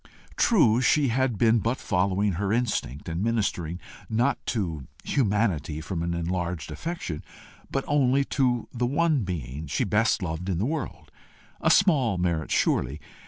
True she had been but following her instinct, and ministering not to humanity from an enlarged affection, but only to the one being she best loved in the world a small merit surely!